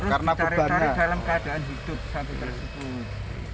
harus ditarik tarik dalam keadaan hidup